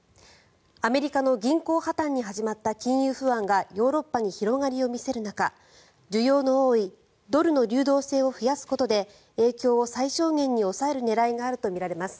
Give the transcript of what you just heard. アメリカの銀行破たんに始まった金融不安がヨーロッパに広がりを見せる中需要の多いドルの流動性を増やすことで影響を最小限に抑える狙いがあるとみられます。